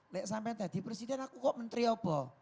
lihat sampe tadi presiden aku kok menteri apa